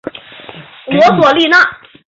罗索利纳。